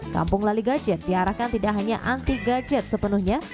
kampung lali gadget diarahkan tidak hanya anti gadget sepenuhnya